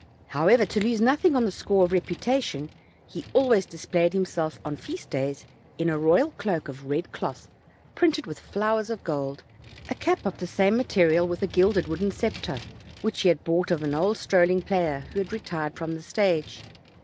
However, to lose nothing on the score of reputation, he always displayed himself on feast days in a royal cloak of red cloth, printed with flowers of gold, a cap of the same material, with a gilded wooden scepter, which he had bought of an old strolling player, who had retired from the stage.